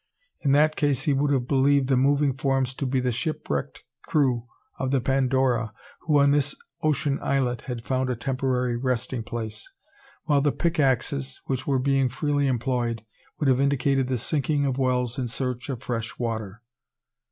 In that case he would have believed the moving forms to be the shipwrecked crew of the Pandora who on this ocean islet had found a temporary resting place; while the pickaxes, which were being freely employed, would have indicated the sinking of wells in search after fresh water.